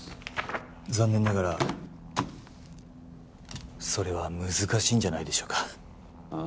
残念ながらそれは難しいんじゃないでしょうかうん？